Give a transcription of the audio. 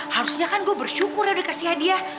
harusnya kan gue bersyukur ya udah dikasih hadiah